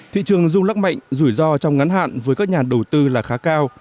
thị trường rung lắc mạnh rủi ro trong ngắn hạn với các nhà đầu tư là khá cao